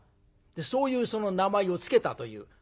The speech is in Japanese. そういう名前を付けたという。